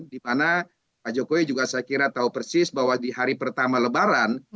dimana pak jokowi juga saya kira tahu persis bahwa di hari pertama lebaran